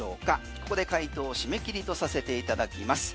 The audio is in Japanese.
ここで解答締め切りとさせていただきます。